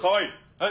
はい！